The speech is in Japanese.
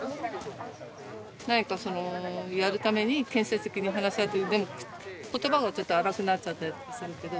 何かそのやるために建設的に話し合ってでも言葉がちょっと荒くなっちゃったりとかするけど。